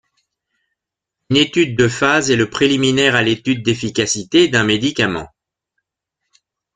Une étude de phase est le préliminaire à l'étude d'efficacité d'un médicament.